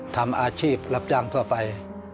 ทำอาชีพรับจ้างทั่วไป